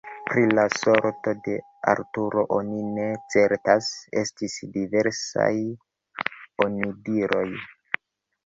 Pri la sorto de Arturo oni ne certas: estis diversaj onidiroj.